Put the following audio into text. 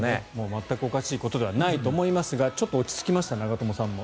全くおかしいことではないと思いますが落ち着きました、長友さんも。